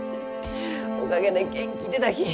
おかげで、元気出たき。